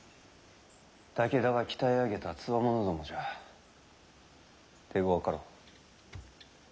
武田が鍛え上げたつわものどもじゃ手ごわかろう。